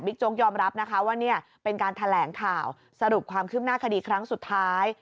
บิ๊กโจ๊กยอมรับว่าเป็นการแถลงข่าวสรุปความขึ้นหน้าคดีครั้งสุดท้าย